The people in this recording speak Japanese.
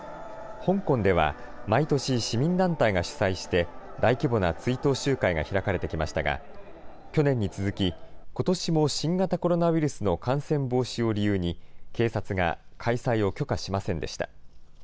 香港では、毎年、市民団体が主催して、大規模な追悼集会が開かれてきましたが、去年に続き、ことしも新型コロナウイルスの感染防止を理由に、警察が開催を許可しませんでした。